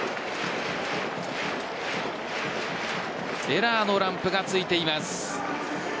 エラーのランプがついています。